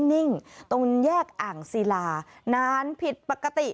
มันจอดอยู่นิ่งตรงแยกอ่างศีลานานผิดปกติ